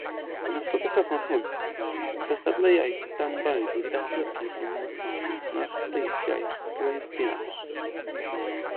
Yn ystod y cyfnod hwn, mae cystadleuaeth danbaid wedi datblygu rhwng masnachfreintiau'r ddwy ddinas.